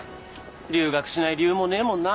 留学しない理由もねえもんな。